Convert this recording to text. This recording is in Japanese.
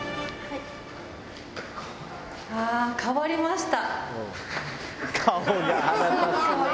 ああ変わりました。